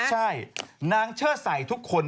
ใช่นางเชิดใส่ทุกคน